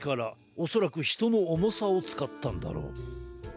おそらくひとのおもさをつかったんだろう。